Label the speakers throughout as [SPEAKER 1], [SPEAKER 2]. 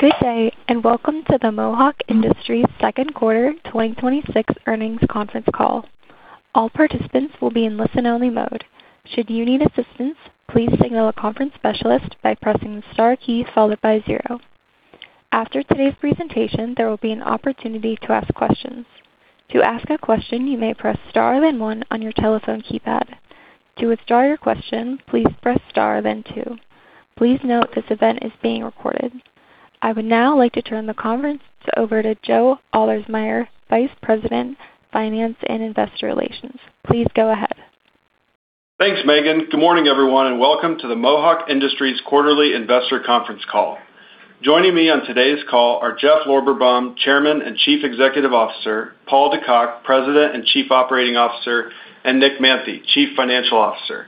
[SPEAKER 1] Good day. Welcome to the Mohawk Industries Second Quarter 2026 Earnings Conference Call. All participants will be in listen-only mode. Should you need assistance, please signal a conference specialist by pressing the star key followed by zero. After today's presentation, there will be an opportunity to ask questions. To ask a question, you may press star then one on your telephone keypad. To withdraw your question, please press star then two. Please note this event is being recorded. I would now like to turn the conference over to Joe Ahlersmeyer, Vice President, Finance and Investor Relations. Please go ahead.
[SPEAKER 2] Thanks, Megan. Good morning, everyone. Welcome to the Mohawk Industries quarterly investor conference call. Joining me on today's call are Jeff Lorberbaum, Chairman and Chief Executive Officer, Paul De Cock, President and Chief Operating Officer, and Nick Manthey, Chief Financial Officer.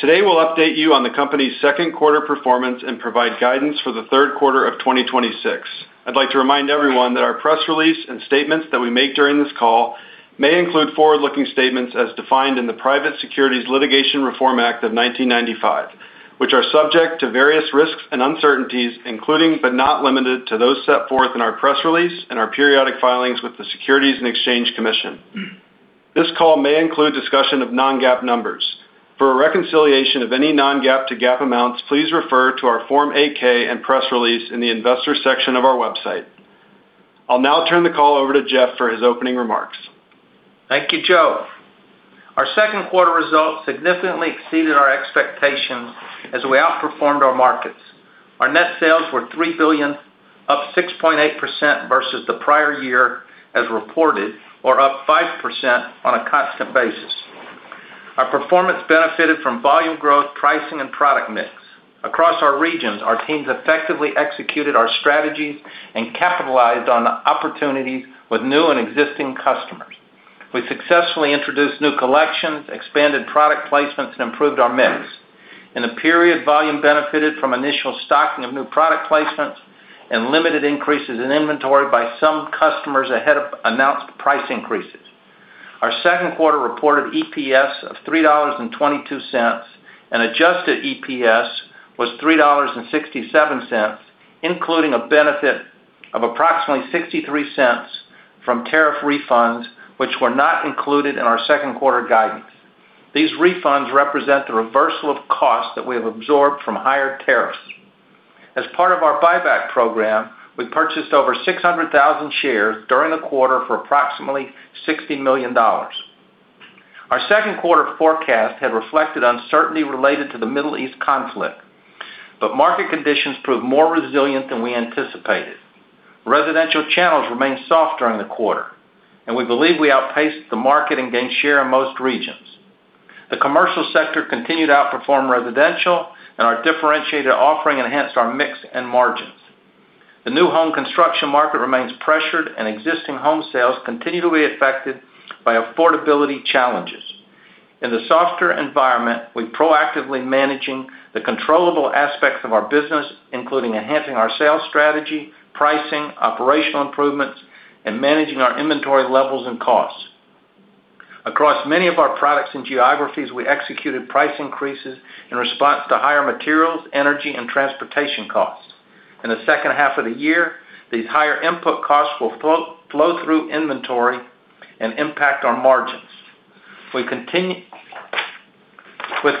[SPEAKER 2] Today, we'll update you on the company's second quarter performance and provide guidance for the third quarter of 2026. I'd like to remind everyone that our press release and statements that we make during this call may include forward-looking statements as defined in the Private Securities Litigation Reform Act of 1995, which are subject to various risks and uncertainties, including, but not limited to, those set forth in our press release and our periodic filings with the Securities and Exchange Commission. This call may include discussion of non-GAAP numbers. For a reconciliation of any non-GAAP to GAAP amounts, please refer to our Form 8-K and press release in the investor section of our website. I'll now turn the call over to Jeff for his opening remarks.
[SPEAKER 3] Thank you, Joe. Our second quarter results significantly exceeded our expectations as we outperformed our markets. Our net sales were $3 billion, up 6.8% versus the prior year as reported or up 5% on a constant basis. Our performance benefited from volume growth, pricing, and product mix. Across our regions, our teams effectively executed our strategies and capitalized on opportunities with new and existing customers. We successfully introduced new collections, expanded product placements, and improved our mix. In the period, volume benefited from initial stocking of new product placements and limited increases in inventory by some customers ahead of announced price increases. Our second quarter reported EPS of $3.22, and adjusted EPS was $3.67, including a benefit of approximately $0.63 from tariff refunds, which were not included in our second quarter guidance. These refunds represent the reversal of costs that we have absorbed from higher tariffs. As part of our buyback program, we purchased over 600,000 shares during the quarter for approximately $60 million. Our second quarter forecast had reflected uncertainty related to the Middle East conflict, but market conditions proved more resilient than we anticipated. Residential channels remained soft during the quarter, and we believe we outpaced the market and gained share in most regions. The commercial sector continued to outperform residential and our differentiated offering enhanced our mix and margins. The new home construction market remains pressured, and existing home sales continue to be affected by affordability challenges. In the softer environment, we're proactively managing the controllable aspects of our business, including enhancing our sales strategy, pricing, operational improvements, and managing our inventory levels and costs. Across many of our products and geographies, we executed price increases in response to higher materials, energy, and transportation costs. In the second half of the year, these higher input costs will flow through inventory and impact our margins. With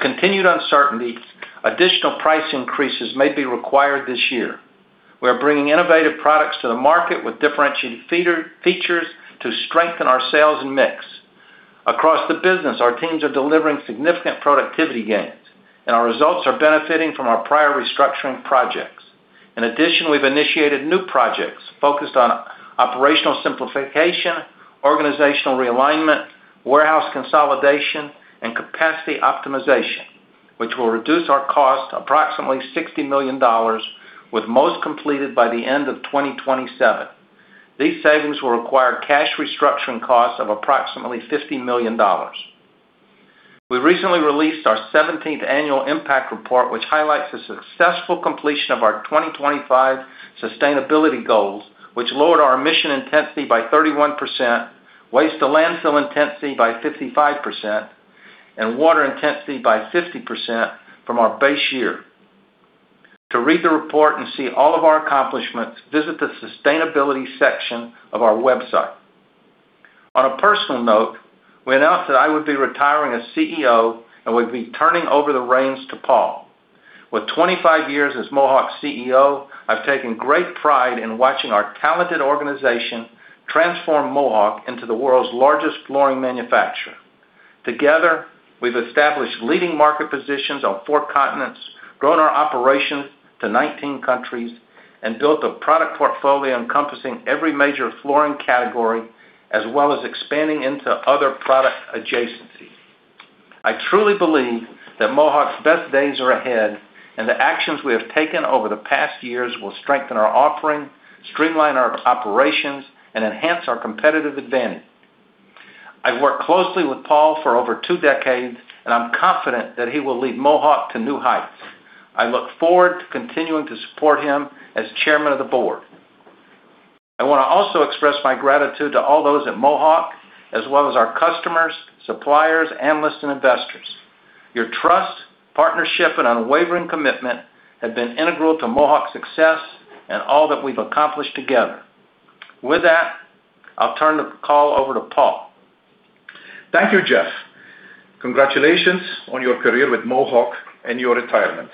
[SPEAKER 3] continued uncertainty, additional price increases may be required this year. We are bringing innovative products to the market with differentiated features to strengthen our sales and mix. Across the business, our teams are delivering significant productivity gains, and our results are benefiting from our prior restructuring projects. In addition, we've initiated new projects focused on operational simplification, organizational realignment, warehouse consolidation, and capacity optimization, which will reduce our cost approximately $60 million, with most completed by the end of 2027. These savings will require cash restructuring costs of approximately $50 million. We recently released our 17th annual impact report, which highlights the successful completion of our 2025 sustainability goals, which lowered our emissions intensity by 31%, waste to landfill intensity by 55%, and water intensity by 50% from our base year. To read the report and see all of our accomplishments, visit the sustainability section of our website. On a personal note, we announced that I would be retiring as Chief Executive Officer and would be turning over the reins to Paul. With 25 years as Mohawk's Chief Executive Officer, I've taken great pride in watching our talented organization transform Mohawk into the world's largest flooring manufacturer. Together, we've established leading market positions on four continents, grown our operations to 19 countries, and built a product portfolio encompassing every major flooring category, as well as expanding into other product adjacencies. I truly believe that Mohawk's best days are ahead, and the actions we have taken over the past years will strengthen our offering, streamline our operations, and enhance our competitive advantage. I've worked closely with Paul for over two decades, and I'm confident that he will lead Mohawk to new heights. I look forward to continuing to support him as chairman of the board. I want to also express my gratitude to all those at Mohawk, as well as our customers, suppliers, analysts, and investors. Your trust, partnership, and unwavering commitment have been integral to Mohawk's success and all that we've accomplished together. With that, I'll turn the call over to Paul.
[SPEAKER 4] Thank you, Jeff. Congratulations on your career with Mohawk and your retirement.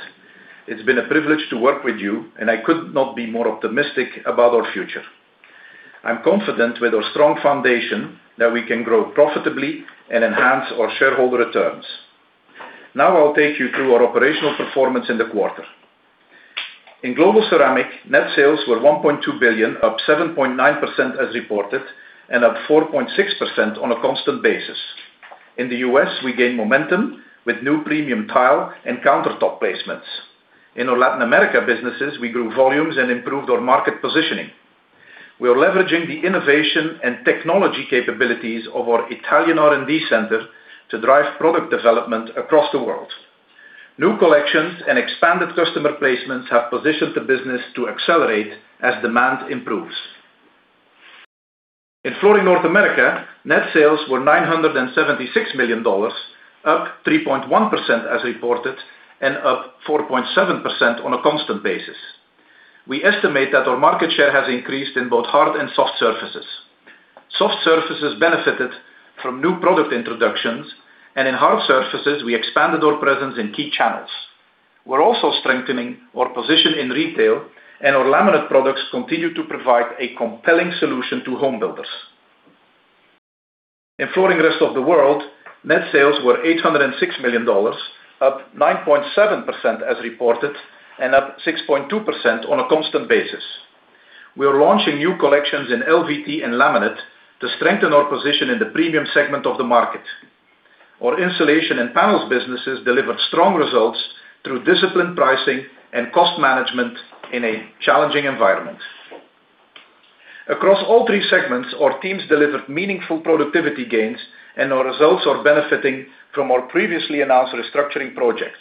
[SPEAKER 4] It has been a privilege to work with you, I could not be more optimistic about our future. I am confident with our strong foundation that we can grow profitably and enhance our shareholder returns. Now I will take you through our operational performance in the quarter. In Global Ceramic, net sales were $1.2 billion, up 7.9% as reported and up 4.6% on a constant basis. In the U.S., we gained momentum with new premium tile and countertop placements. In our Latin America businesses, we grew volumes and improved our market positioning. We are leveraging the innovation and technology capabilities of our Italian R&D center to drive product development across the world. New collections and expanded customer placements have positioned the business to accelerate as demand improves. In Flooring North America, net sales were $976 million, up 3.1% as reported and up 4.7% on a constant basis. We estimate that our market share has increased in both hard and soft surfaces. Soft surfaces benefited from new product introductions. In hard surfaces, we expanded our presence in key channels. We are also strengthening our position in retail. Our laminate products continue to provide a compelling solution to home builders. In Flooring Rest of World, net sales were $806 million, up 9.7% as reported and up 6.2% on a constant basis. We are launching new collections in LVT and laminate to strengthen our position in the premium segment of the market. Our insulation and panels businesses delivered strong results through disciplined pricing and cost management in a challenging environment. Across all three segments, our teams delivered meaningful productivity gains. Our results are benefiting from our previously announced restructuring projects.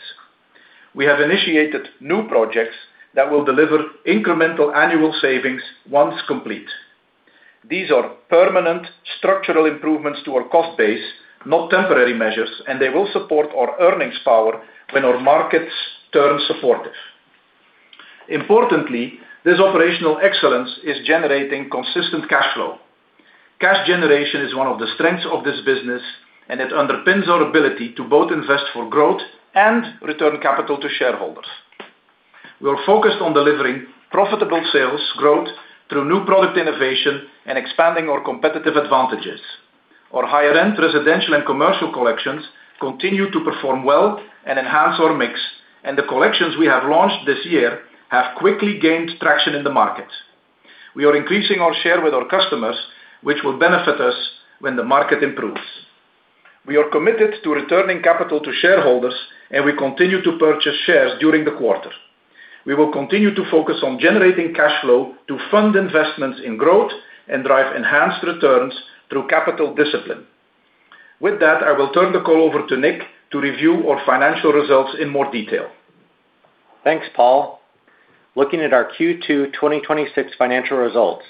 [SPEAKER 4] We have initiated new projects that will deliver incremental annual savings once complete. These are permanent structural improvements to our cost base, not temporary measures. They will support our earnings power when our markets turn supportive. Importantly, this operational excellence is generating consistent cash flow. Cash generation is one of the strengths of this business. It underpins our ability to both invest for growth and return capital to shareholders. We are focused on delivering profitable sales growth through new product innovation and expanding our competitive advantages. Our higher-end residential and commercial collections continue to perform well and enhance our mix. The collections we have launched this year have quickly gained traction in the market. We are increasing our share with our customers, which will benefit us when the market improves. We are committed to returning capital to shareholders. We continue to purchase shares during the quarter. We will continue to focus on generating cash flow to fund investments in growth and drive enhanced returns through capital discipline. With that, I will turn the call over to Nick to review our financial results in more detail.
[SPEAKER 5] Thanks, Paul. Looking at our Q2 2026 financial results.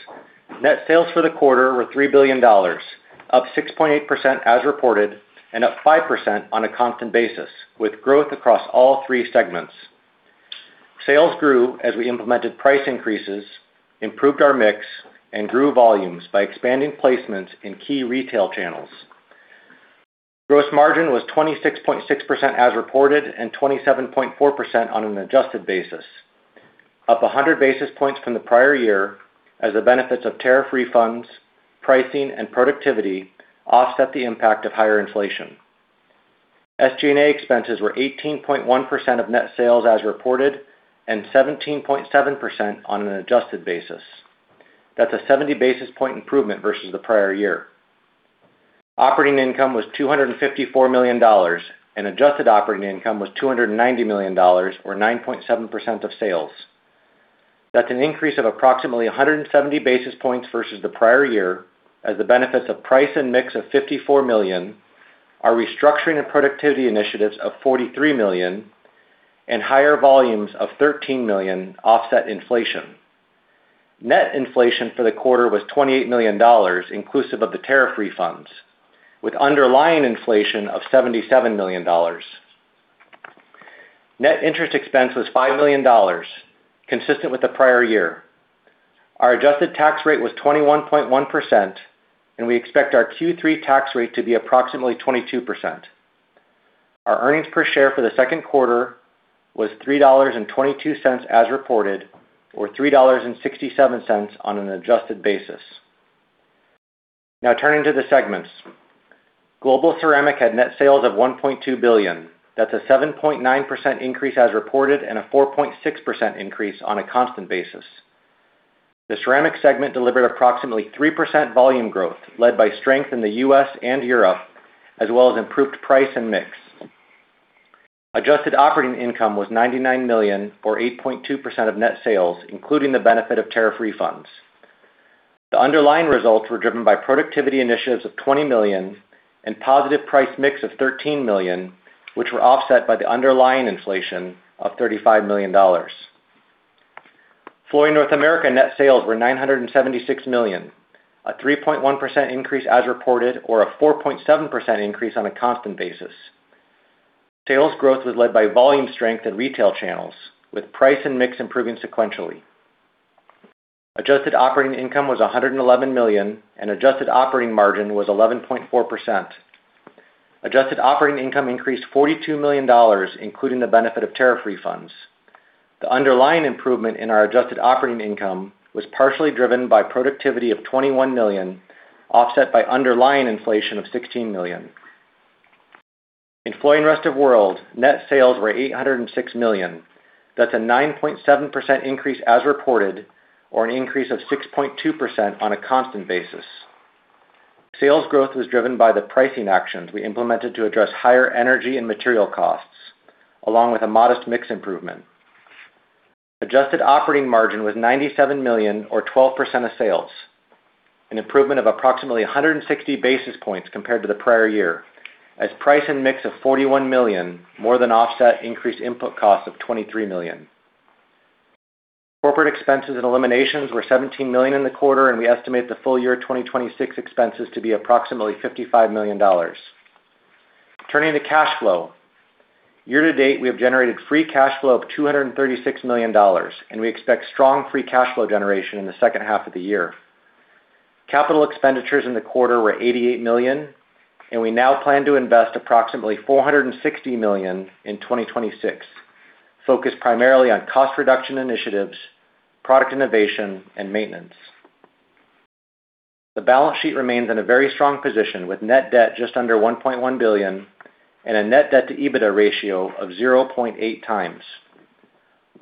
[SPEAKER 5] Net sales for the quarter were $3 billion, up 6.8% as reported and up 5% on a constant basis, with growth across all three segments. Sales grew as we implemented price increases, improved our mix, and grew volumes by expanding placements in key retail channels. Gross margin was 26.6% as reported and 27.4% on an adjusted basis, up 100 basis points from the prior year as the benefits of tariff refunds, pricing, and productivity offset the impact of higher inflation. SG&A expenses were 18.1% of net sales as reported and 17.7% on an adjusted basis. That's a 70 basis point improvement versus the prior year. Operating income was $254 million, and adjusted operating income was $290 million, or 9.7% of sales. That's an increase of approximately 170 basis points versus the prior year as the benefits of price and mix of $54 million, our restructuring and productivity initiatives of $43 million, and higher volumes of $13 million offset inflation. Net inflation for the quarter was $28 million, inclusive of the tariff refunds, with underlying inflation of $77 million. Net interest expense was $5 million, consistent with the prior year. Our adjusted tax rate was 21.1%, and we expect our Q3 tax rate to be approximately 22%. Our earnings per share for the second quarter was $3.22 as reported, or $3.67 on an adjusted basis. Turning to the segments. Global Ceramic had net sales of $1.2 billion. That's a 7.9% increase as reported and a 4.6% increase on a constant basis. The Ceramic segment delivered approximately 3% volume growth, led by strength in the U.S. and Europe, as well as improved price and mix. Adjusted operating income was $99 million, or 8.2% of net sales, including the benefit of tariff refunds. The underlying results were driven by productivity initiatives of $20 million and positive price mix of $13 million, which were offset by the underlying inflation of $35 million. Flooring North America net sales were $976 million, a 3.1% increase as reported, or a 4.7% increase on a constant basis. Sales growth was led by volume strength in retail channels, with price and mix improving sequentially. Adjusted operating income was $111 million, and adjusted operating margin was 11.4%. Adjusted operating income increased $42 million, including the benefit of tariff refunds. The underlying improvement in our adjusted operating income was partially driven by productivity of $21 million, offset by underlying inflation of $16 million. In Flooring Rest of World, net sales were $806 million. That's a 9.7% increase as reported, or an increase of 6.2% on a constant basis. Sales growth was driven by the pricing actions we implemented to address higher energy and material costs, along with a modest mix improvement. Adjusted operating margin was $97 million or 12% of sales, an improvement of approximately 160 basis points compared to the prior year, as price and mix of $41 million more than offset increased input costs of $23 million. Corporate expenses and eliminations were $17 million in the quarter, and we estimate the full year 2026 expenses to be approximately $55 million. Turning to cash flow. Year-to-date, we have generated free cash flow of $236 million, and we expect strong free cash flow generation in the second half of the year. Capital expenditures in the quarter were $88 million, and we now plan to invest approximately $460 million in 2026, focused primarily on cost reduction initiatives, product innovation, and maintenance. The balance sheet remains in a very strong position, with net debt just under $1.1 billion and a net debt to EBITDA ratio of 0.8 times.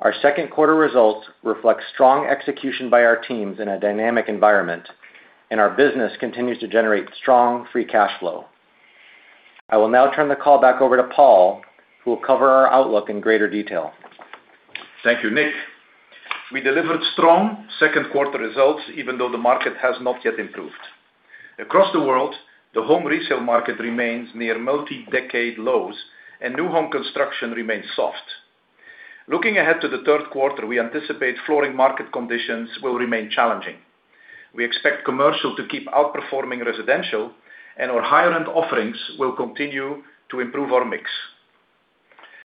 [SPEAKER 5] Our second quarter results reflect strong execution by our teams in a dynamic environment, and our business continues to generate strong free cash flow. I will now turn the call back over to Paul, who will cover our outlook in greater detail.
[SPEAKER 4] Thank you, Nick. We delivered strong second quarter results, even though the market has not yet improved. Across the world, the home resale market remains near multi-decade lows, and new home construction remains soft. Looking ahead to the third quarter, we anticipate flooring market conditions will remain challenging. We expect commercial to keep outperforming residential, and our higher-end offerings will continue to improve our mix.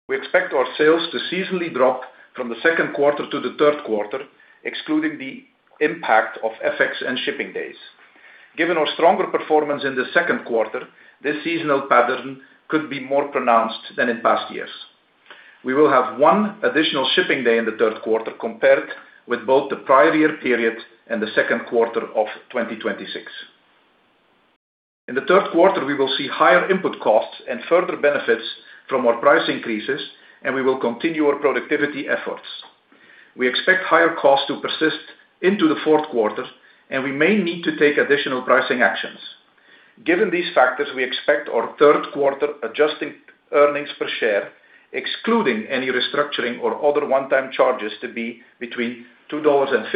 [SPEAKER 4] We expect our sales to seasonally drop from the second quarter to the third quarter, excluding the impact of FX and shipping days. Given our stronger performance in the second quarter, this seasonal pattern could be more pronounced than in past years. We will have one additional shipping day in the third quarter compared with both the prior year period and the second quarter of 2026. In the third quarter, we will see higher input costs and further benefits from our price increases, and we will continue our productivity efforts. We expect higher costs to persist into the fourth quarter, and we may need to take additional pricing actions. Given these factors, we expect our third quarter adjusted earnings per share, excluding any restructuring or other one-time charges, to be between $2.50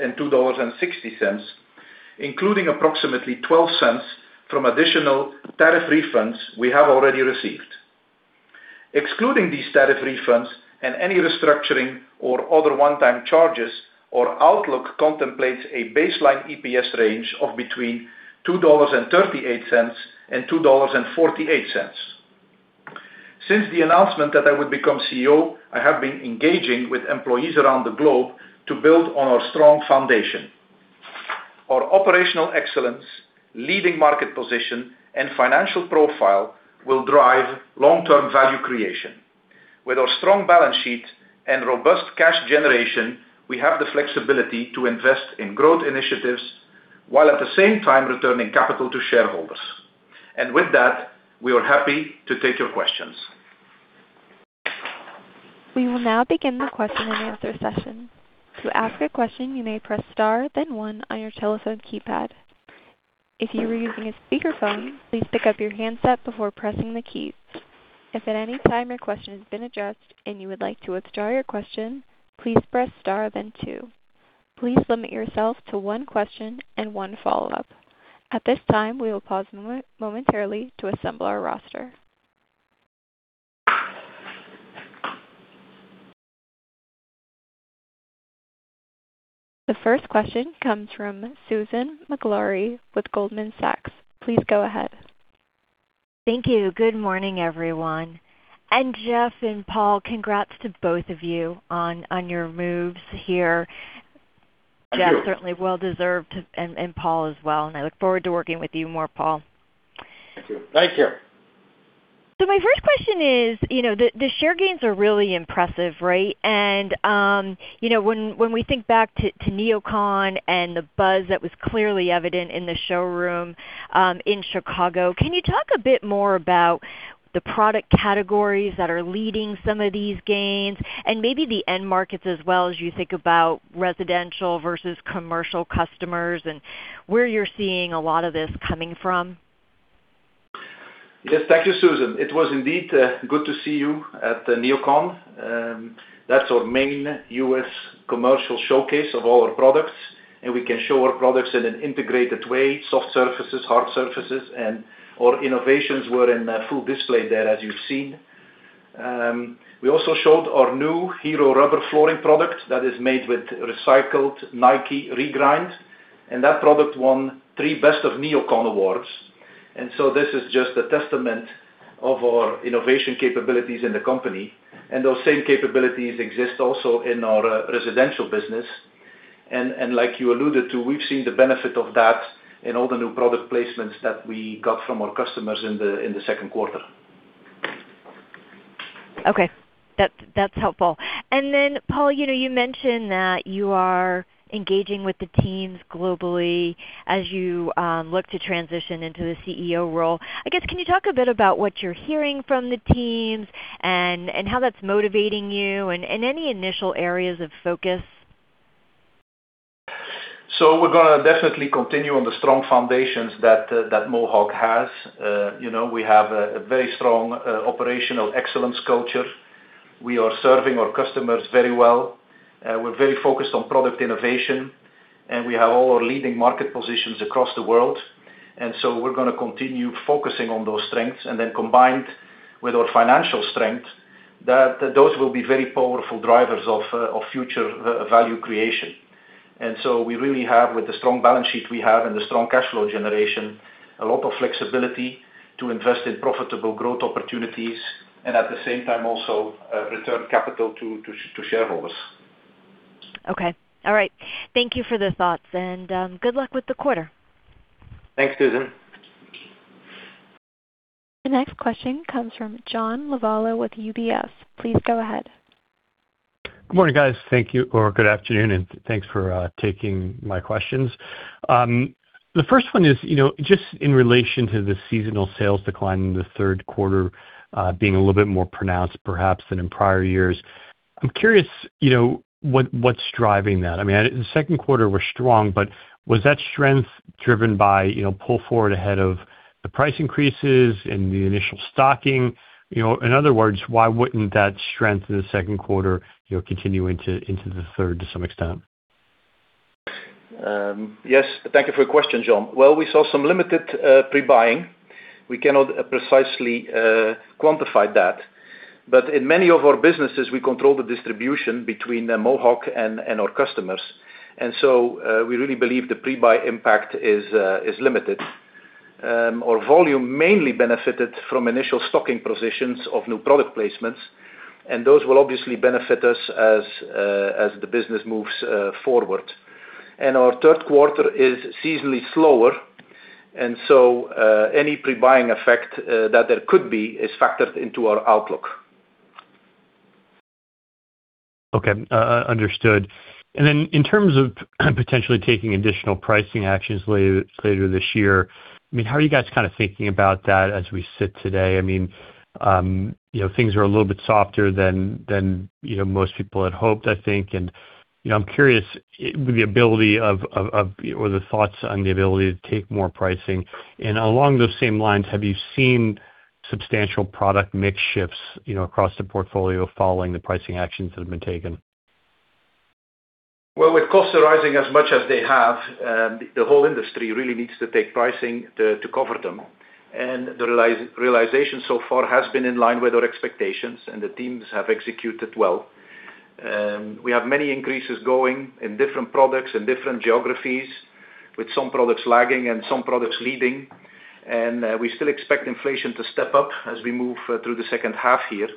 [SPEAKER 4] and $2.60, including approximately $0.12 from additional tariff refunds we have already received. Excluding these tariff refunds and any restructuring or other one-time charges, our outlook contemplates a baseline EPS range of between $2.38 and $2.48. Since the announcement that I would become Chief Executive Officer, I have been engaging with employees around the globe to build on our strong foundation. Our operational excellence, leading market position, and financial profile will drive long-term value creation. With our strong balance sheet and robust cash generation, we have the flexibility to invest in growth initiatives while at the same time returning capital to shareholders. With that, we are happy to take your questions.
[SPEAKER 1] We will now begin the question and answer session. To ask a question, you may press star then one on your telephone keypad. If you are using a speakerphone, please pick up your handset before pressing the keys. If at any time your question has been addressed and you would like to withdraw your question, please press star then two. Please limit yourself to one question and one follow-up. At this time, we will pause momentarily to assemble our roster. The first question comes from Susan Maklari with Goldman Sachs. Please go ahead.
[SPEAKER 6] Thank you. Good morning, everyone. Jeff and Paul, congrats to both of you on your moves here.
[SPEAKER 3] Thank you.
[SPEAKER 6] Jeff, certainly well deserved, Paul as well, I look forward to working with you more, Paul.
[SPEAKER 4] Thank you.
[SPEAKER 6] My first question is, the share gains are really impressive, right? When we think back to NeoCon and the buzz that was clearly evident in the showroom, in Chicago, can you talk a bit more about the product categories that are leading some of these gains and maybe the end markets as well as you think about residential versus commercial customers and where you're seeing a lot of this coming from?
[SPEAKER 4] Yes. Thank you, Susan. It was indeed good to see you at the NeoCon. That's our main U.S. commercial showcase of all our products, we can show our products in an integrated way, soft surfaces, hard surfaces, our innovations were in full display there, as you've seen. We also showed our new Hero rubber flooring product that is made with recycled Nike Grind, that product won three best of NeoCon awards. This is just a testament of our innovation capabilities in the company. Those same capabilities exist also in our residential business. Like you alluded to, we've seen the benefit of that in all the new product placements that we got from our customers in the second quarter.
[SPEAKER 6] Okay. That's helpful. Paul, you mentioned that you are engaging with the teams globally as you look to transition into the Chief Executive Officer role. I guess, can you talk a bit about what you're hearing from the teams and how that's motivating you and any initial areas of focus?
[SPEAKER 4] We're going to definitely continue on the strong foundations that Mohawk has. We have a very strong operational excellence culture. We are serving our customers very well. We're very focused on product innovation, and we have all our leading market positions across the world. We're going to continue focusing on those strengths, then combined with our financial strength, that those will be very powerful drivers of future value creation. We really have, with the strong balance sheet we have and the strong cash flow generation, a lot of flexibility to invest in profitable growth opportunities, and at the same time, also return capital to shareholders.
[SPEAKER 6] Okay. All right. Thank you for the thoughts, and good luck with the quarter.
[SPEAKER 4] Thanks, Susan.
[SPEAKER 1] The next question comes from John Lovallo with UBS. Please go ahead.
[SPEAKER 7] Good morning, guys. Thank you. Good afternoon, and thanks for taking my questions. The first one is just in relation to the seasonal sales decline in the third quarter being a little bit more pronounced, perhaps, than in prior years. I'm curious, what's driving that? I mean, the second quarter was strong, was that strength driven by pull forward ahead of the price increases and the initial stocking? In other words, why wouldn't that strength in the second quarter continue into the third to some extent?
[SPEAKER 4] Yes. Thank you for your question, John. Well, we saw some limited pre-buying. We cannot precisely quantify that. In many of our businesses, we control the distribution between Mohawk and our customers, we really believe the pre-buy impact is limited. Our volume mainly benefited from initial stocking positions of new product placements, those will obviously benefit us as the business moves forward. Our third quarter is seasonally slower, any pre-buying effect that there could be is factored into our outlook.
[SPEAKER 7] Okay, understood. In terms of potentially taking additional pricing actions later this year, how are you guys thinking about that as we sit today? Things are a little bit softer than most people had hoped, I think, I'm curious the ability of, or the thoughts on the ability to take more pricing. Along those same lines, have you seen substantial product mix shifts across the portfolio following the pricing actions that have been taken?
[SPEAKER 4] Well, with costs rising as much as they have, the whole industry really needs to take pricing to cover them. The realization so far has been in line with our expectations, and the teams have executed well. We have many increases going in different products and different geographies, with some products lagging and some products leading. We still expect inflation to step up as we move through the second half here.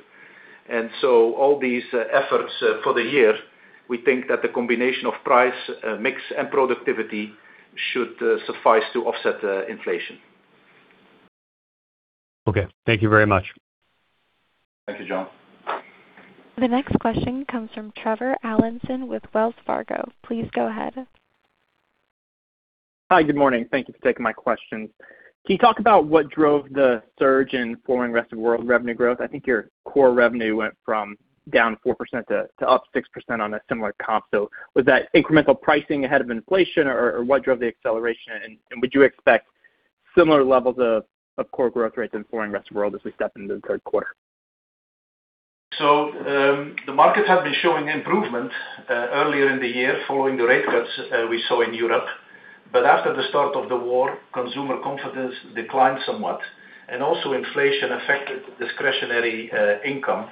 [SPEAKER 4] All these efforts for the year, we think that the combination of price, mix, and productivity should suffice to offset inflation.
[SPEAKER 7] Okay. Thank you very much.
[SPEAKER 4] Thank you, John.
[SPEAKER 1] The next question comes from Trevor Allinson with Wells Fargo. Please go ahead.
[SPEAKER 8] Hi. Good morning. Thank you for taking my questions. Can you talk about what drove the surge in Flooring Rest of World revenue growth? I think your core revenue went from down 4% to up 6% on a similar comp. Was that incremental pricing ahead of inflation, or what drove the acceleration, and would you expect similar levels of core growth rates in Flooring Rest of World as we step into the third quarter?
[SPEAKER 4] The markets had been showing improvement earlier in the year following the rate cuts we saw in Europe. After the start of the war, consumer confidence declined somewhat and also inflation affected discretionary income.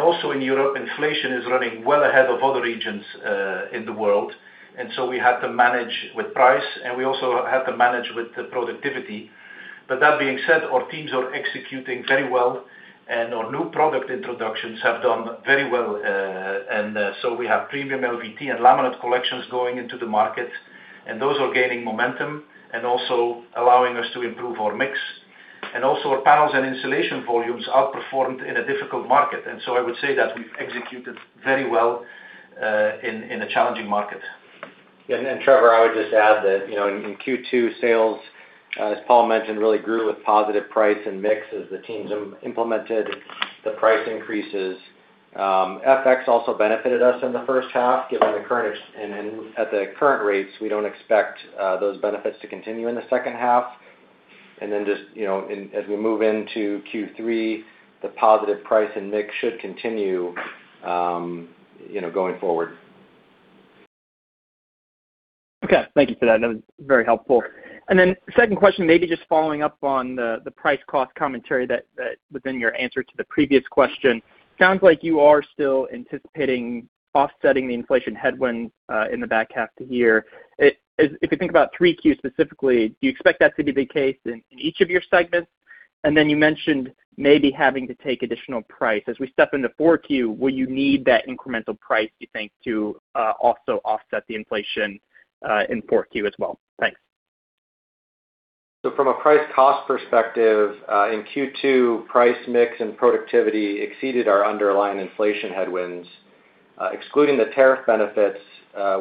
[SPEAKER 4] Also in Europe, inflation is running well ahead of other regions in the world, we had to manage with price, and we also had to manage with productivity. That being said, our teams are executing very well, and our new product introductions have done very well. We have premium LVT and laminate collections going into the market, and those are gaining momentum and also allowing us to improve our mix. Also our panels and insulation volumes outperformed in a difficult market. I would say that we've executed very well in a challenging market.
[SPEAKER 5] Trevor, I would just add that in Q2, sales, as Paul mentioned, really grew with positive price and mix as the teams implemented the price increases FX also benefited us in the first half, given the current rates, we don't expect those benefits to continue in the second half. As we move into Q3, the positive price and mix should continue going forward.
[SPEAKER 8] Okay. Thank you for that. That was very helpful. Second question, maybe just following up on the price cost commentary that was in your answer to the previous question, sounds like you are still anticipating offsetting the inflation headwinds in the back half of the year. If you think about 3Qs specifically, do you expect that to be the case in each of your segments? You mentioned maybe having to take additional price. As we step into 4Q, will you need that incremental price, do you think, to also offset the inflation in 4Q as well? Thanks.
[SPEAKER 5] From a price cost perspective, in Q2, price mix and productivity exceeded our underlying inflation headwinds. Excluding the tariff benefits,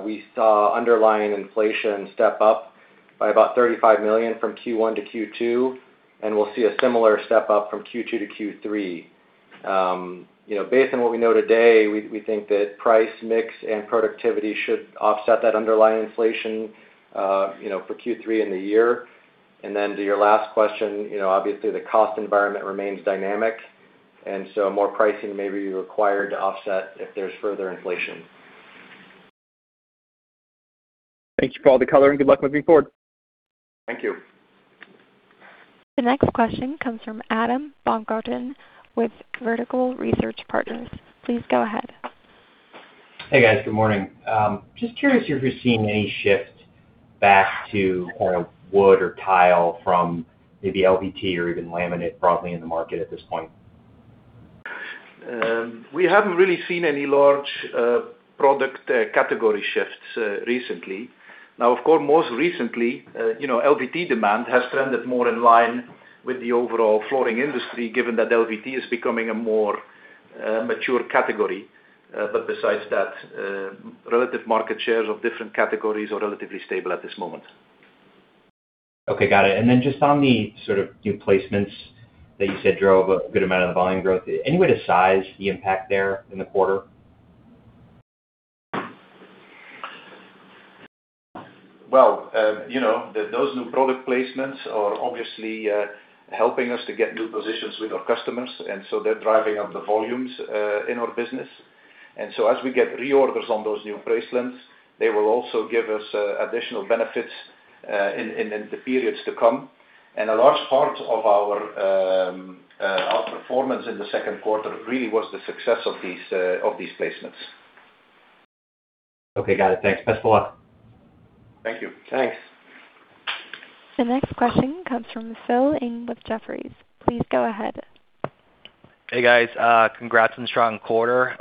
[SPEAKER 5] we saw underlying inflation step up by about $35 million from Q1 to Q2, and we'll see a similar step-up from Q2 to Q3. Based on what we know today, we think that price mix and productivity should offset that underlying inflation for Q3 in the year. To your last question, obviously the cost environment remains dynamic, and so more pricing may be required to offset if there's further inflation.
[SPEAKER 8] Thank you for all the color, and good luck moving forward.
[SPEAKER 5] Thank you.
[SPEAKER 1] The next question comes from Adam Baumgarten with Vertical Research Partners. Please go ahead.
[SPEAKER 9] Hey, guys. Good morning. Just curious if you're seeing any shift back to kind of wood or tile from maybe LVT or even laminate broadly in the market at this point.
[SPEAKER 4] We haven't really seen any large product category shifts recently. Now, of course, most recently, LVT demand has trended more in line with the overall flooring industry, given that LVT is becoming a more mature category. Besides that, relative market shares of different categories are relatively stable at this moment.
[SPEAKER 9] Okay, got it. Then just on the sort of new placements that you said drove a good amount of the volume growth, any way to size the impact there in the quarter?
[SPEAKER 4] Those new product placements are obviously helping us to get new positions with our customers, they're driving up the volumes, in our business. As we get reorders on those new placements, they will also give us additional benefits in the periods to come. A large part of our performance in the second quarter really was the success of these placements.
[SPEAKER 9] Okay, got it. Thanks. Best of luck.
[SPEAKER 4] Thank you.
[SPEAKER 3] Thanks.
[SPEAKER 1] The next question comes from Phil Ng with Jefferies. Please go ahead.
[SPEAKER 10] Hey, guys. Congrats on the strong quarter.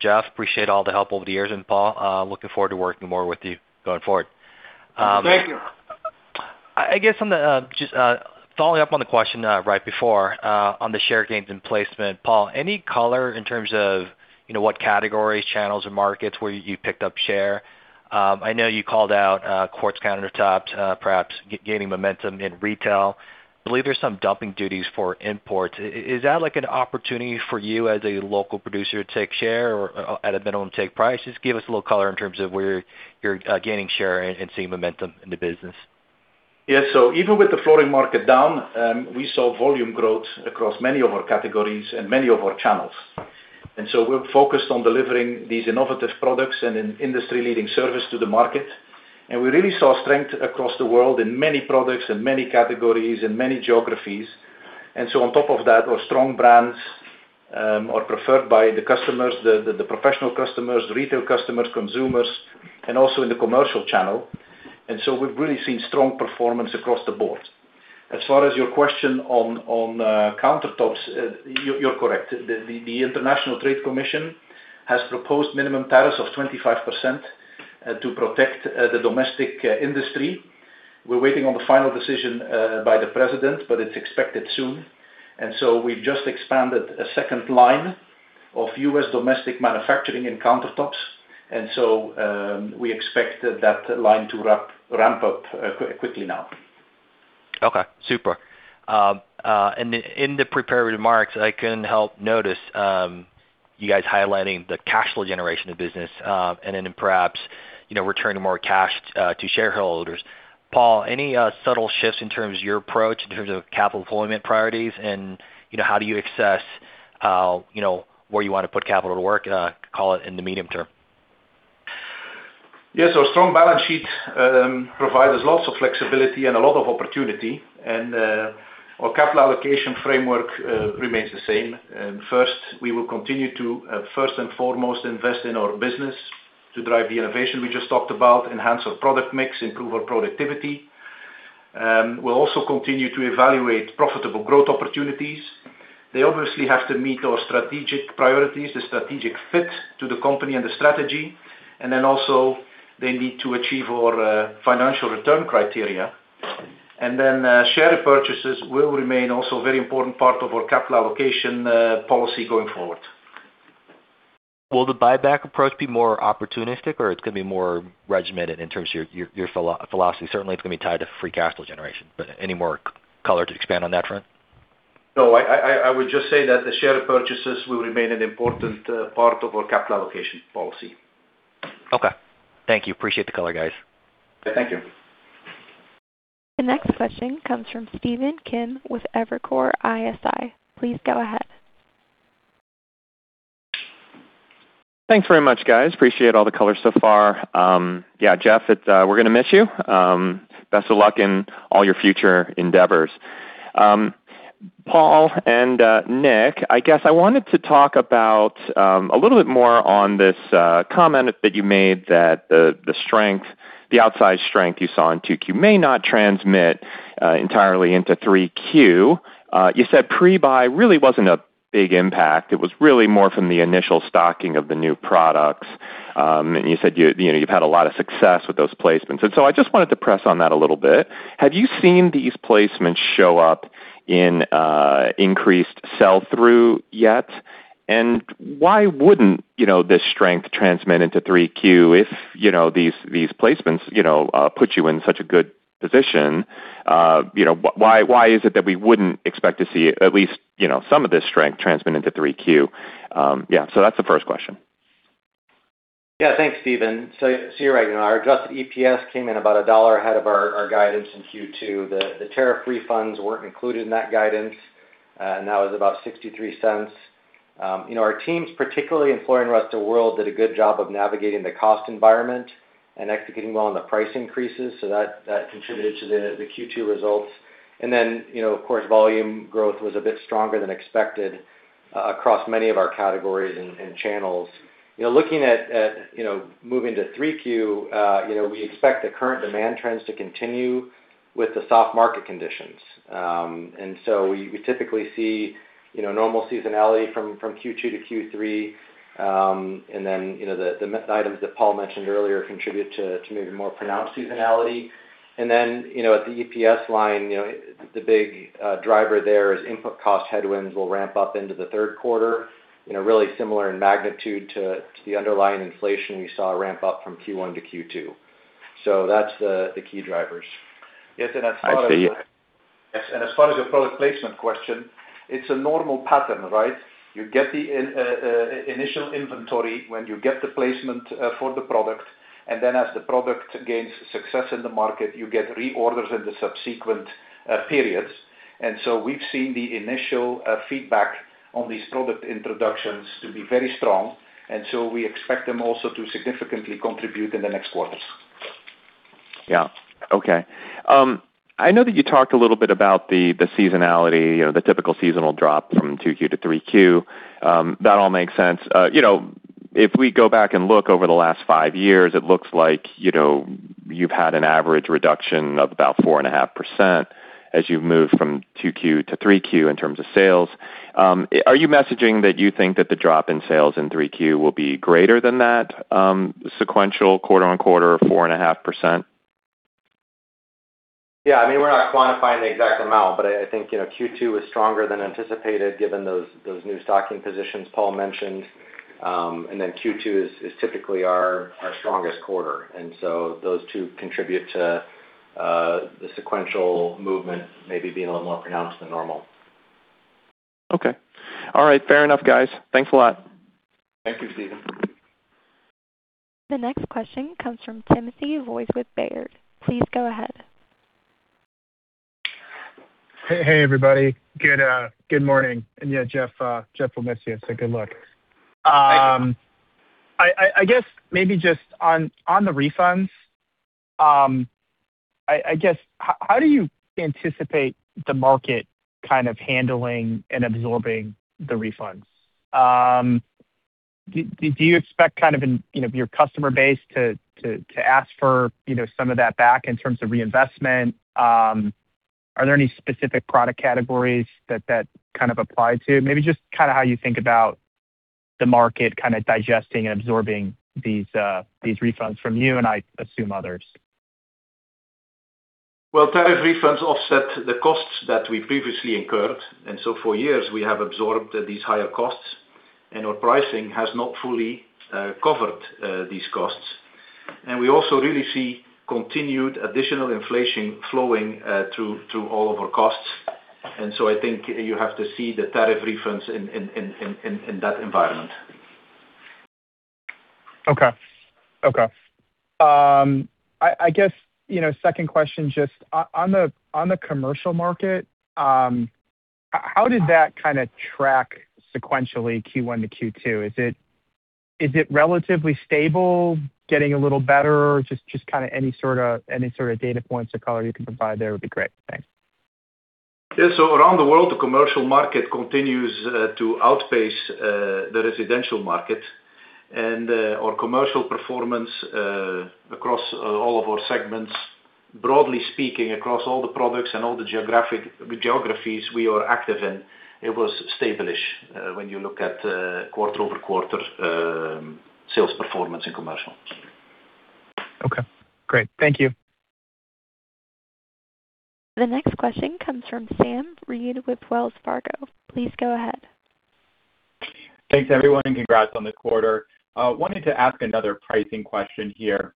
[SPEAKER 10] Jeff, appreciate all the help over the years, and Paul, looking forward to working more with you going forward.
[SPEAKER 4] Thank you.
[SPEAKER 10] I guess just following up on the question right before, on the share gains and placement, Paul, any color in terms of what categories, channels, or markets where you picked up share? I know you called out quartz countertops perhaps gaining momentum in retail. Believe there's some dumping duties for imports. Is that like an opportunity for you as a local producer to take share or at a minimum take price? Just give us a little color in terms of where you're gaining share and seeing momentum in the business.
[SPEAKER 4] Even with the flooring market down, we saw volume growth across many of our categories and many of our channels. We're focused on delivering these innovative products and an industry-leading service to the market. We really saw strength across the world in many products, in many categories, in many geographies. On top of that, our strong brands are preferred by the customers, the professional customers, retail customers, consumers, and also in the commercial channel. We've really seen strong performance across the board. As far as your question on countertops, you're correct. The International Trade Commission has proposed minimum tariffs of 25% to protect the domestic industry. We're waiting on the final decision by the president, but it's expected soon. We've just expanded a second line of U.S. domestic manufacturing in countertops, we expect that line to ramp up quickly now.
[SPEAKER 10] Okay, super. In the prepared remarks, I couldn't help notice you guys highlighting the cash flow generation of business, perhaps returning more cash to shareholders. Paul, any subtle shifts in terms of your approach in terms of capital deployment priorities and how do you assess where you want to put capital to work, call it in the medium term?
[SPEAKER 4] Yes. Our strong balance sheet provides us lots of flexibility and a lot of opportunity, our capital allocation framework remains the same. First, we will continue to first and foremost, invest in our business to drive the innovation we just talked about, enhance our product mix, improve our productivity. We'll also continue to evaluate profitable growth opportunities. They obviously have to meet our strategic priorities, the strategic fit to the company and the strategy, also they need to achieve our financial return criteria. Share repurchases will remain also a very important part of our capital allocation policy going forward.
[SPEAKER 10] Will the buyback approach be more opportunistic or it's going to be more regimented in terms of your philosophy? Certainly, it's going to be tied to free cash flow generation, any more color to expand on that front?
[SPEAKER 4] No, I would just say that the share purchases will remain an important part of our capital allocation policy.
[SPEAKER 10] Okay. Thank you. Appreciate the color, guys.
[SPEAKER 4] Thank you.
[SPEAKER 1] The next question comes from Stephen Kim with Evercore ISI. Please go ahead.
[SPEAKER 11] Thanks very much, guys. Appreciate all the color so far. Yeah, Jeff, we're going to miss you. Best of luck in all your future endeavors. Paul and Nick, I wanted to talk a little bit more on this comment that you made, that the outside strength you saw in 2Q may not transmit entirely into 3Q. You said pre-buy really wasn't a big impact. It was really more from the initial stocking of the new products. You said you've had a lot of success with those placements. I just wanted to press on that a little bit. Have you seen these placements show up in increased sell-through yet? Why wouldn't this strength transmit into 3Q if these placements put you in such a good position? Why is it that we wouldn't expect to see at least some of this strength transmit into 3Q? Yeah, that's the first question.
[SPEAKER 5] Yeah. Thanks, Stephen. You're right. Our adjusted EPS came in about $1 ahead of our guidance in Q2. The tariff refunds weren't included in that guidance, and that was about $0.63. Our teams, particularly in Flooring Rest of the World, did a good job of navigating the cost environment and executing well on the price increases. That contributed to the Q2 results. Of course, volume growth was a bit stronger than expected across many of our categories and channels. Looking at moving to 3Q, we expect the current demand trends to continue with the soft market conditions. We typically see normal seasonality from Q2 to 3Q. The items that Paul mentioned earlier contribute to maybe more pronounced seasonality. At the EPS line, the big driver there is input cost headwinds will ramp up into the third quarter, really similar in magnitude to the underlying inflation we saw ramp up from Q1 to Q2. That's the key drivers.
[SPEAKER 11] I see.
[SPEAKER 4] Yes, as far as your product placement question, it's a normal pattern, right? You get the initial inventory when you get the placement for the product. Then as the product gains success in the market, you get reorders in the subsequent periods. We've seen the initial feedback on these product introductions to be very strong, we expect them also to significantly contribute in the next quarters.
[SPEAKER 11] Yeah. Okay. I know that you talked a little bit about the seasonality, the typical seasonal drop from 2Q to 3Q. That all makes sense. If we go back and look over the last five years, it looks like you've had an average reduction of about 4.5% as you've moved from 2Q to 3Q in terms of sales. Are you messaging that you think that the drop in sales in 3Q will be greater than that sequential quarter-on-quarter of 4.5%?
[SPEAKER 5] Yeah, we're not quantifying the exact amount, I think Q2 was stronger than anticipated given those new stocking positions Paul mentioned. Then Q2 is typically our strongest quarter. Those two contribute to the sequential movement maybe being a little more pronounced than normal.
[SPEAKER 11] Okay. All right. Fair enough, guys. Thanks a lot.
[SPEAKER 4] Thank you, Stephen.
[SPEAKER 1] The next question comes from Timothy Wojs with Baird. Please go ahead.
[SPEAKER 12] Hey, everybody. Good morning. Yeah, Jeff, we'll miss you, so good luck. I guess maybe just on the refunds, how do you anticipate the market kind of handling and absorbing the refunds? Do you expect your customer base to ask for some of that back in terms of reinvestment? Are there any specific product categories that kind of apply to? Maybe just how you think about the market kind of digesting and absorbing these refunds from you and I assume others.
[SPEAKER 4] Tariff refunds offset the costs that we previously incurred. For years, we have absorbed these higher costs, and our pricing has not fully covered these costs. We also really see continued additional inflation flowing through all of our costs. I think you have to see the tariff refunds in that environment.
[SPEAKER 12] Okay. I guess, second question, just on the commercial market, how did that kind of track sequentially Q1 to Q2? Is it relatively stable, getting a little better? Just any sort of data points or color you can provide there would be great. Thanks.
[SPEAKER 4] Yeah. Around the world, the commercial market continues to outpace the residential market. Our commercial performance across all of our segments, broadly speaking, across all the products and all the geographies we are active in, it was established when you look at quarter-over-quarter sales performance in commercial.
[SPEAKER 12] Okay, great. Thank you.
[SPEAKER 1] The next question comes from Sam Reid with Wells Fargo. Please go ahead.
[SPEAKER 13] Thanks, everyone, and congrats on the quarter. Wanted to ask another pricing question here.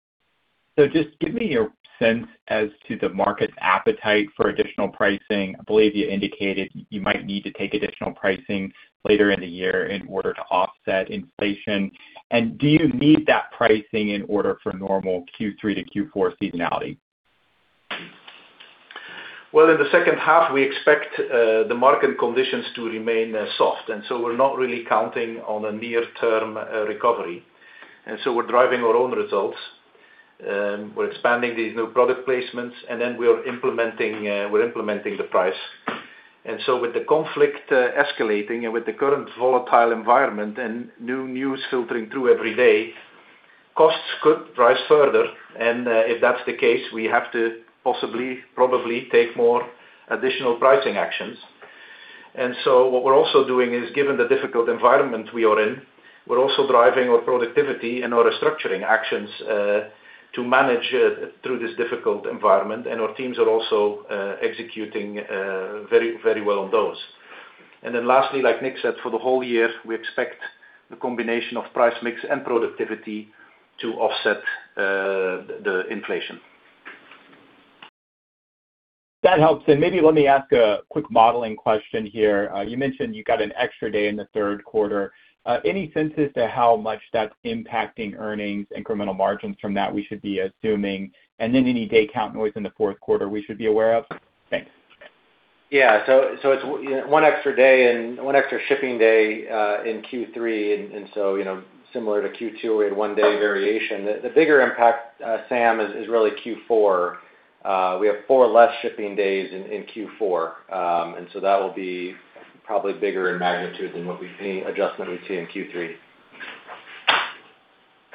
[SPEAKER 13] Just give me your sense as to the market's appetite for additional pricing. I believe you indicated you might need to take additional pricing later in the year in order to offset inflation. Do you need that pricing in order for normal Q3 to Q4 seasonality?
[SPEAKER 4] Well, in the second half, we expect the market conditions to remain soft, we're not really counting on a near-term recovery. We're driving our own results. We're expanding these new product placements, we're implementing the price. With the conflict escalating and with the current volatile environment and new news filtering through every day, costs could rise further. If that's the case, we have to possibly, probably take more additional pricing actions. What we're also doing is, given the difficult environment we are in, we're also driving our productivity and our restructuring actions, to manage through this difficult environment. Our teams are also executing very well on those. Lastly, like Nick said, for the whole year, we expect the combination of price mix and productivity to offset the inflation.
[SPEAKER 13] That helps. Maybe let me ask a quick modeling question here. You mentioned you got an extra day in the third quarter. Any sense as to how much that's impacting earnings, incremental margins from that we should be assuming? Any day count noise in the fourth quarter we should be aware of? Thanks.
[SPEAKER 5] It's one extra day and one extra shipping day in Q3. Similar to Q2, we had one day variation. The bigger impact, Sam, is really Q4. We have four less shipping days in Q4. That will be probably bigger in magnitude than any adjustment we see in Q3.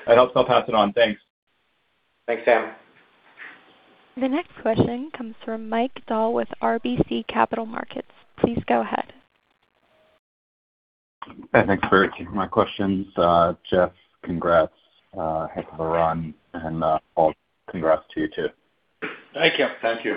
[SPEAKER 13] That helps. I'll pass it on. Thanks.
[SPEAKER 5] Thanks, Sam.
[SPEAKER 1] The next question comes from Mike Dahl with RBC Capital Markets. Please go ahead.
[SPEAKER 14] Thanks for taking my questions. Jeff, congrats. Heck of a run. Paul, congrats to you, too.
[SPEAKER 3] Thank you.
[SPEAKER 4] Thank you.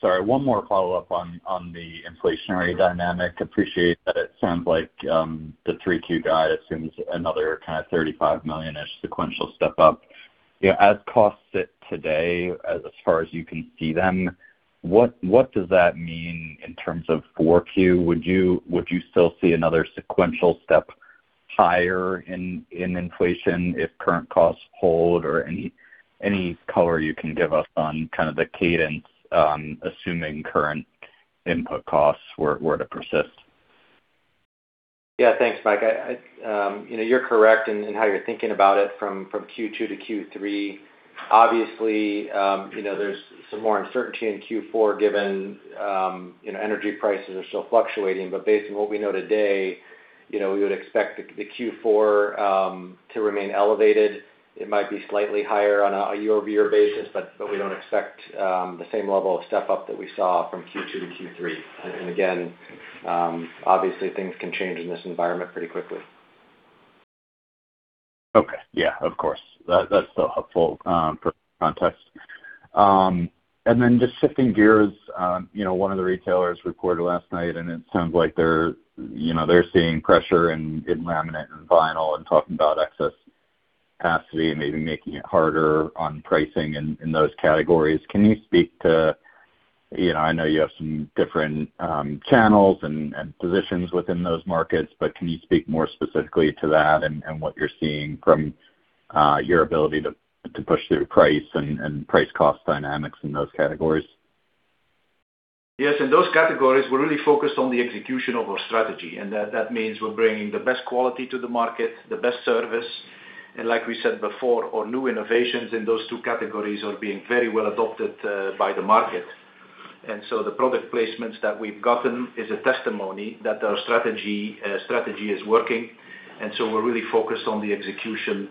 [SPEAKER 14] Sorry, one more follow-up on the inflationary dynamic. Appreciate that it sounds like the Q3 guide assumes another kind of $35 million-ish sequential step up. As costs sit today, as far as you can see them, what does that mean in terms of 4Q? Would you still see another sequential step higher in inflation if current costs hold, or any color you can give us on kind of the cadence, assuming current input costs were to persist?
[SPEAKER 5] Yeah. Thanks, Mike. You're correct in how you're thinking about it from Q2 to Q3. Obviously, there's some more uncertainty in Q4 given energy prices are still fluctuating. Based on what we know today, we would expect the Q4 to remain elevated. It might be slightly higher on a year-over-year basis, but we don't expect the same level of step-up that we saw from Q2 to Q3. Again, obviously, things can change in this environment pretty quickly.
[SPEAKER 14] Okay. Yeah, of course. That's still helpful for context. Then just shifting gears, one of the retailers reported last night, and it sounds like they're seeing pressure in laminate and vinyl and talking about excess capacity and maybe making it harder on pricing in those categories. I know you have some different channels and positions within those markets, but can you speak more specifically to that and what you're seeing from your ability to push through price and price cost dynamics in those categories?
[SPEAKER 4] Yes. In those categories, we're really focused on the execution of our strategy, and that means we're bringing the best quality to the market, the best service. Like we said before, our new innovations in those two categories are being very well adopted by the market. The product placements that we've gotten is a testimony that our strategy is working, and so we're really focused on the execution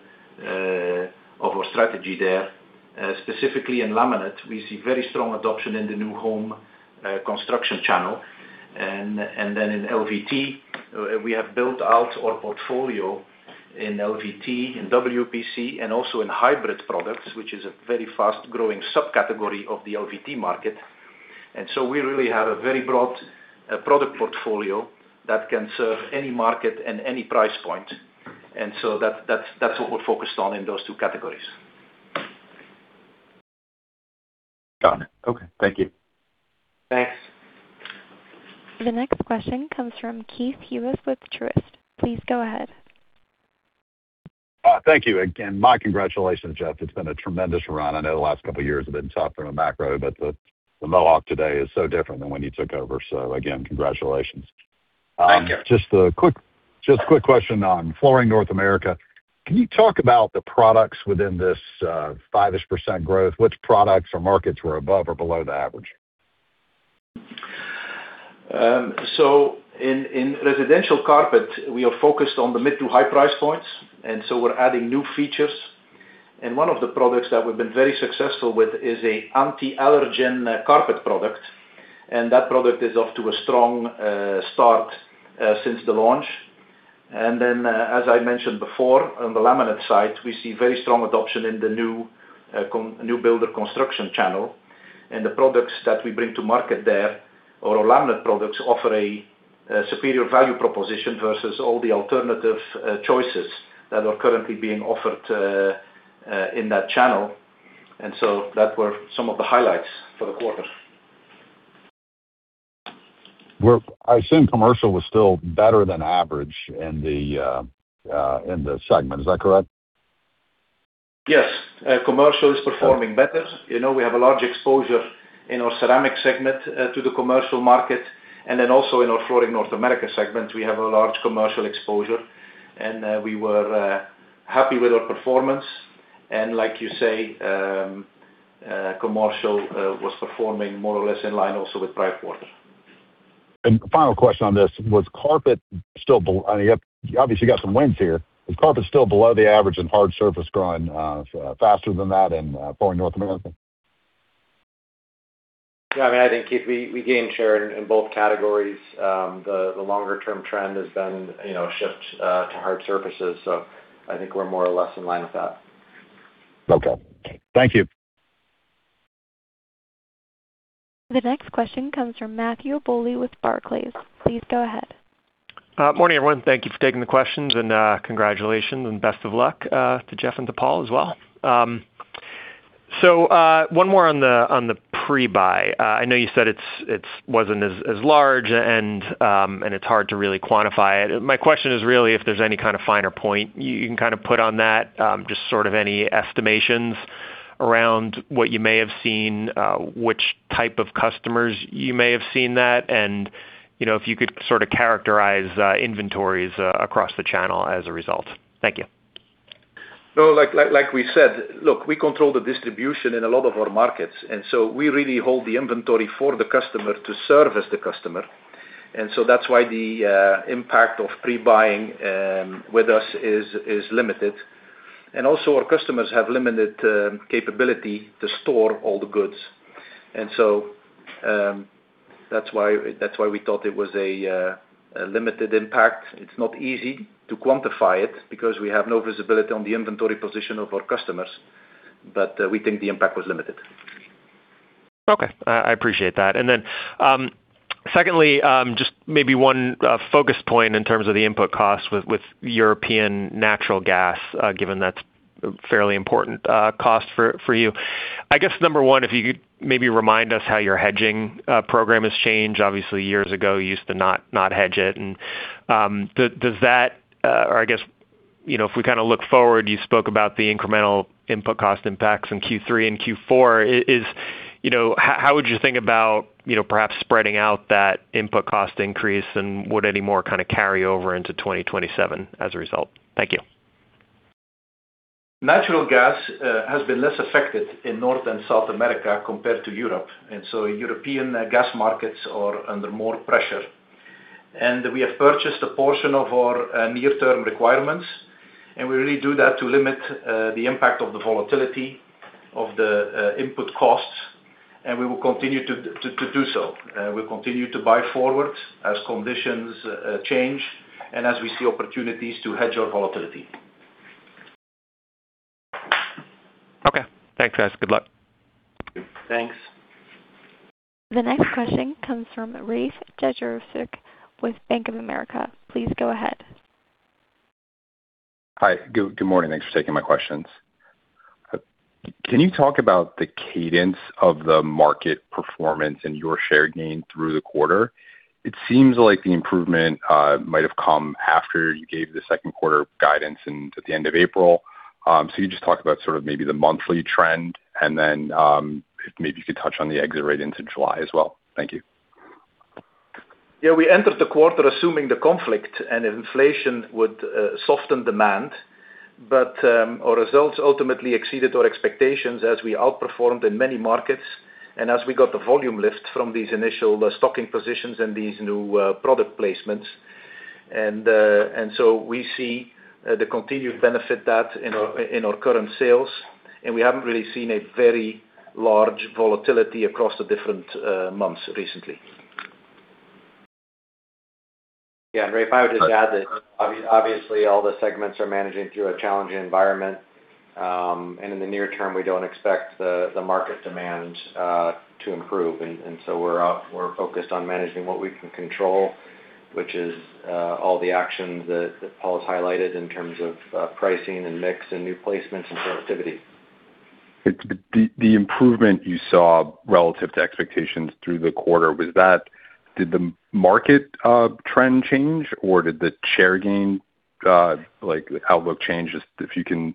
[SPEAKER 4] of our strategy there. Specifically in laminate, we see very strong adoption in the new home construction channel. Then in LVT, we have built out our portfolio in LVT, in WPC, and also in hybrid products, which is a very fast-growing subcategory of the LVT market. We really have a very broad product portfolio that can serve any market and any price point. That's what we're focused on in those two categories.
[SPEAKER 14] Got it. Okay. Thank you.
[SPEAKER 5] Thanks.
[SPEAKER 1] The next question comes from Keith Hughes with Truist. Please go ahead.
[SPEAKER 15] Thank you. Again, my congratulations, Jeff. It's been a tremendous run. I know the last couple of years have been tough from a macro, the Mohawk today is so different than when you took over. Again, congratulations.
[SPEAKER 3] Thank you.
[SPEAKER 15] Just a quick question on Flooring North America. Can you talk about the products within this 5%-ish growth? Which products or markets were above or below the average?
[SPEAKER 4] In residential carpet, we are focused on the mid to high price points. We're adding new features. One of the products that we've been very successful with is an anti-allergen carpet product, and that product is off to a strong start since the launch. Then, as I mentioned before, on the laminate side, we see very strong adoption in the new builder construction channel and the products that we bring to market there, or our laminate products, offer a superior value proposition versus all the alternative choices that are currently being offered in that channel. That were some of the highlights for the quarter.
[SPEAKER 15] Well, I assume commercial was still better than average in the segment. Is that correct?
[SPEAKER 4] Yes. Commercial is performing better. We have a large exposure in our Global Ceramic segment to the commercial market. Also in our Flooring North America segment, we have a large commercial exposure, and we were happy with our performance. Like you say, commercial was performing more or less in line also with prior quarter.
[SPEAKER 15] Final question on this, you obviously got some wins here. Is carpet still below the average in hard surface growing faster than that in Flooring North America?
[SPEAKER 5] Yeah, I think, Keith, we gained share in both categories. The longer-term trend has been shift to hard surfaces. I think we're more or less in line with that.
[SPEAKER 15] Okay. Thank you.
[SPEAKER 1] The next question comes from Matthew Bouley with Barclays. Please go ahead.
[SPEAKER 16] Morning, everyone. Thank you for taking the questions and congratulations and best of luck to Jeff and to Paul as well. One more on the pre-buy. I know you said it wasn't as large and it's hard to really quantify it. My question is really if there's any kind of finer point you can put on that, just sort of any estimations around what you may have seen, which type of customers you may have seen that and if you could sort of characterize inventories across the channel as a result. Thank you.
[SPEAKER 4] Like we said, look, we control the distribution in a lot of our markets, we really hold the inventory for the customer to service the customer. That's why the impact of pre-buying with us is limited. Our customers have limited capability to store all the goods. That's why we thought it was a limited impact. It's not easy to quantify it because we have no visibility on the inventory position of our customers. We think the impact was limited.
[SPEAKER 16] Okay. I appreciate that. Secondly, just maybe one focus point in terms of the input cost with European natural gas, given that's a fairly important cost for you. I guess, number one, if you could maybe remind us how your hedging program has changed. Obviously, years ago, you used to not hedge it, does that, if we kind of look forward, you spoke about the incremental input cost impacts in Q3 and Q4. How would you think about perhaps spreading out that input cost increase, would any more kind of carry over into 2027 as a result? Thank you.
[SPEAKER 4] Natural gas has been less affected in North and South America compared to Europe. European gas markets are under more pressure. We have purchased a portion of our near-term requirements, we really do that to limit the impact of the volatility of the input costs, we will continue to do so. We'll continue to buy forward as conditions change and as we see opportunities to hedge our volatility.
[SPEAKER 16] Okay. Thanks, guys. Good luck.
[SPEAKER 5] Thanks.
[SPEAKER 1] The next question comes from Rafe Jadrosich with Bank of America. Please go ahead.
[SPEAKER 17] Hi. Good morning. Thanks for taking my questions. Can you talk about the cadence of the market performance and your share gain through the quarter? It seems like the improvement might have come after you gave the second quarter guidance and at the end of April. You just talked about sort of maybe the monthly trend and then, if maybe you could touch on the exit rate into July as well. Thank you.
[SPEAKER 4] We entered the quarter assuming the conflict and inflation would soften demand, but our results ultimately exceeded our expectations as we outperformed in many markets and as we got the volume lift from these initial stocking positions and these new product placements. We see the continued benefit that in our current sales, and we haven't really seen a very large volatility across the different months recently.
[SPEAKER 5] Rafe, if I would just add that obviously all the segments are managing through a challenging environment. In the near term, we don't expect the market demand to improve. We're focused on managing what we can control, which is all the actions that Paul's highlighted in terms of pricing and mix and new placements and productivity.
[SPEAKER 17] The improvement you saw relative to expectations through the quarter, did the market trend change or did the share gain outlook change? If you can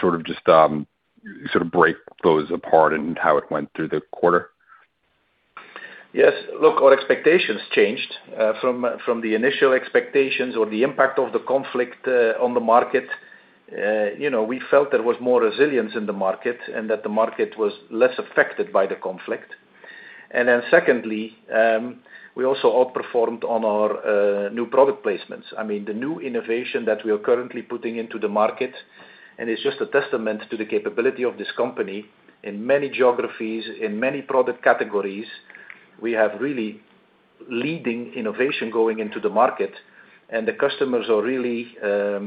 [SPEAKER 17] sort of just break those apart and how it went through the quarter?
[SPEAKER 4] Yes. Look, our expectations changed from the initial expectations or the impact of the conflict on the market. We felt there was more resilience in the market and that the market was less affected by the conflict. Secondly, we also outperformed on our new product placements. I mean, the new innovation that we are currently putting into the market, and it's just a testament to the capability of this company in many geographies, in many product categories. We have really leading innovation going into the market, and the customers are really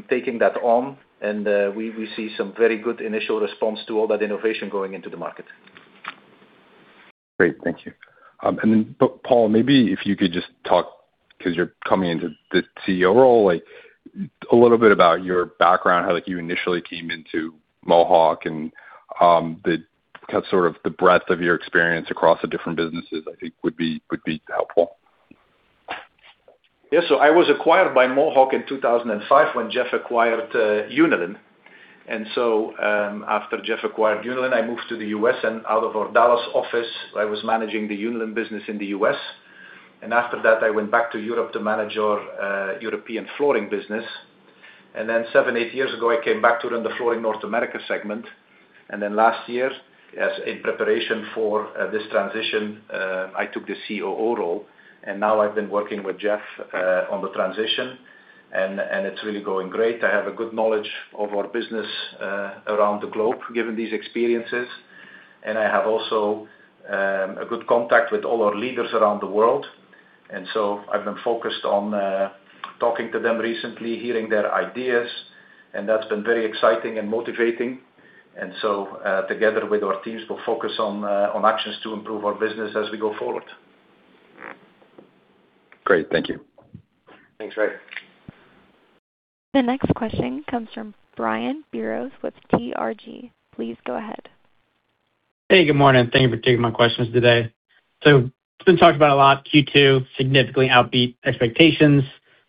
[SPEAKER 4] taking that on, and we see some very good initial response to all that innovation going into the market.
[SPEAKER 17] Great. Thank you. Paul, maybe if you could just talk, because you're coming into the Chief Executive Officer role, a little bit about your background, how you initially came into Mohawk and the sort of the breadth of your experience across the different businesses, I think would be helpful.
[SPEAKER 4] Yeah. I was acquired by Mohawk in 2005 when Jeff acquired Unilin. After Jeff acquired Unilin, I moved to the U.S., and out of our Dallas office, I was managing the Unilin business in the U.S. After that, I went back to Europe to manage our European flooring business. Seven, eight years ago, I came back to run the Flooring North America segment. Last year, as in preparation for this transition, I took the COO role, and now I've been working with Jeff on the transition, and it's really going great. I have a good knowledge of our business around the globe, given these experiences, and I have also a good contact with all our leaders around the world. I've been focused on talking to them recently, hearing their ideas, and that's been very exciting and motivating. Together with our teams, we'll focus on actions to improve our business as we go forward.
[SPEAKER 17] Great. Thank you.
[SPEAKER 5] Thanks, Rafe.
[SPEAKER 1] The next question comes from Brian Biros with TRG. Please go ahead.
[SPEAKER 18] Hey, good morning. Thank you for taking my questions today. It's been talked about a lot, Q2, significantly outbeat expectations.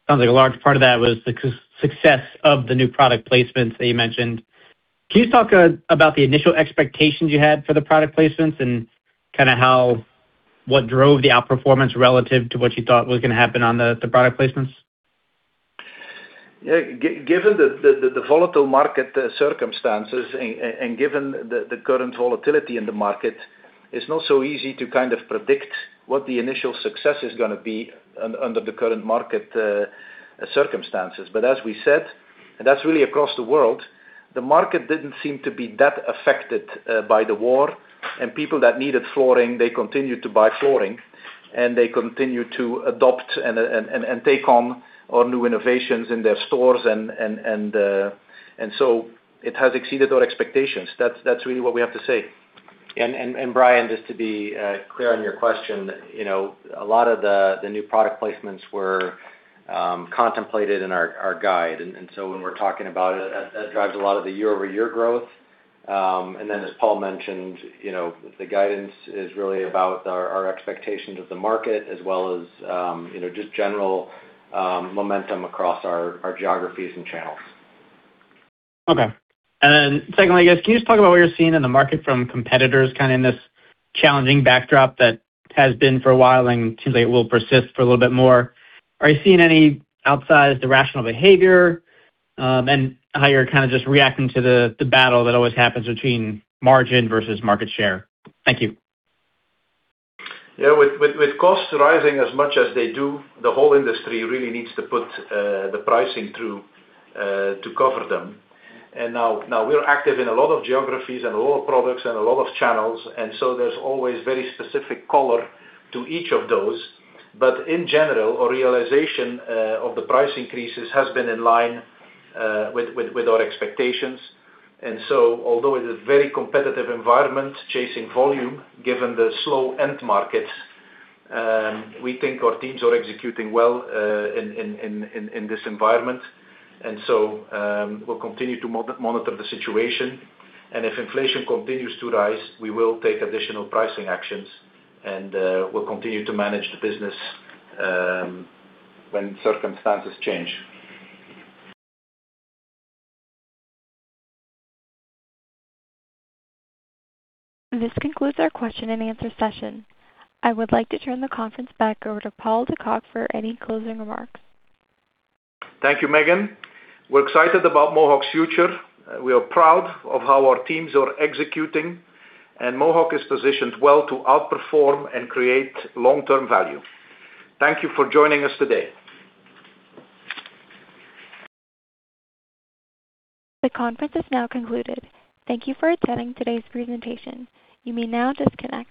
[SPEAKER 18] Sounds like a large part of that was the success of the new product placements that you mentioned. Can you talk about the initial expectations you had for the product placements and kind of what drove the outperformance relative to what you thought was going to happen on the product placements?
[SPEAKER 4] Given the volatile market circumstances and given the current volatility in the market, it's not so easy to predict what the initial success is going to be under the current market circumstances. As we said, and that's really across the world, the market didn't seem to be that affected by the war, and people that needed flooring, they continued to buy flooring, and they continued to adopt and take on our new innovations in their stores. It has exceeded our expectations. That's really what we have to say.
[SPEAKER 5] Brian, just to be clear on your question, a lot of the new product placements were contemplated in our guide. When we're talking about it, that drives a lot of the year-over-year growth. As Paul mentioned, the guidance is really about our expectations of the market as well as just general momentum across our geographies and channels.
[SPEAKER 18] Okay. Secondly, I guess, can you just talk about what you're seeing in the market from competitors, kind of in this challenging backdrop that has been for a while, and it seems like it will persist for a little bit more. Are you seeing any outside the rational behavior and how you're kind of just reacting to the battle that always happens between margin versus market share? Thank you.
[SPEAKER 4] Yeah, with costs rising as much as they do, the whole industry really needs to put the pricing through to cover them. Now, we're active in a lot of geographies and a lot of products and a lot of channels, and so there's always very specific color to each of those. In general, our realization of the price increases has been in line with our expectations. Although it is very competitive environment, chasing volume, given the slow end market, we think our teams are executing well in this environment. We'll continue to monitor the situation, and if inflation continues to rise, we will take additional pricing actions, and we'll continue to manage the business when circumstances change.
[SPEAKER 1] This concludes our question and answer session. I would like to turn the conference back over to Paul De Cock for any closing remarks.
[SPEAKER 4] Thank you, Megan. We're excited about Mohawk's future. We are proud of how our teams are executing, and Mohawk is positioned well to outperform and create long-term value. Thank you for joining us today.
[SPEAKER 1] The conference is now concluded. Thank you for attending today's presentation. You may now disconnect.